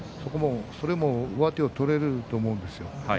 それで上手が取れると思うんですよ